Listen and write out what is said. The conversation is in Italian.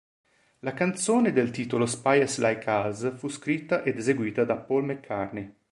La canzone del titolo, "Spies Like Us", venne scritta ed eseguita da Paul McCartney.